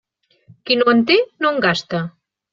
Qui no en té, no en gasta.